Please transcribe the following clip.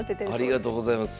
ありがとうございます。